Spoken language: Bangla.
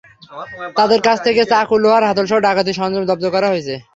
তাঁদের কাছ থেকে চাকু, লোহার হাতলসহ ডাকাতির সরঞ্জাম জব্দ করা হয়েছে।